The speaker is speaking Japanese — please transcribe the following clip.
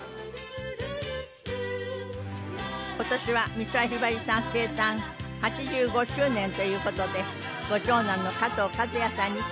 今年は美空ひばりさん生誕８５周年という事でご長男の加藤和也さんに来ていただきました。